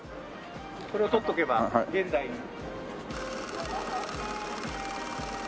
これを撮っとけば現代に。